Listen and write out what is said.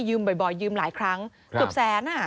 ยืมบ่อยยืมหลายครั้งทุกสตร์แสน